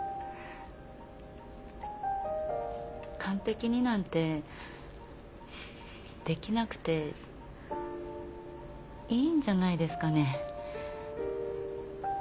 完璧になんてできなくていいんじゃないですかね？